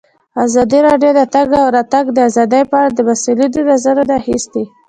ازادي راډیو د د تګ راتګ ازادي په اړه د مسؤلینو نظرونه اخیستي.